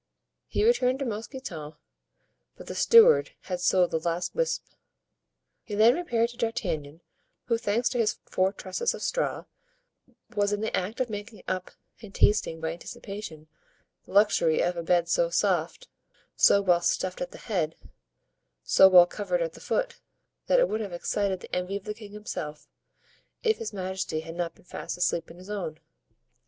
He returned to Mousqueton, but the steward had sold the last wisp. He then repaired to D'Artagnan, who, thanks to his four trusses of straw, was in the act of making up and tasting, by anticipation, the luxury of a bed so soft, so well stuffed at the head, so well covered at the foot, that it would have excited the envy of the king himself, if his majesty had not been fast asleep in his own.